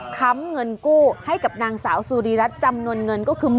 ค้ำเงินกู้ให้กับนางสาวสุรีรัฐจำนวนเงินก็คือ๑๐๐๐๐บาท